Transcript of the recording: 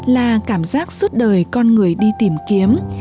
là cảm giác suốt đời con người đi tìm kiếm